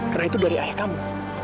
karena itu dari ayah kamu